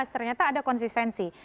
ternyata ada konsistensi